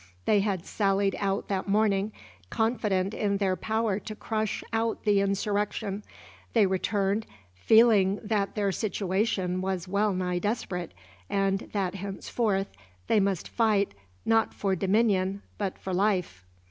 They had sallied out that morning, confident in their power to crush out the insurrection. They returned, feeling that their situation was well nigh desperate, and that henceforth they must fight, not for dominion, but for life.